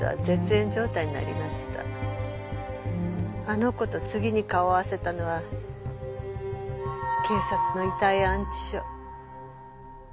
あの子と次に顔を合わせたのは警察の遺体安置所。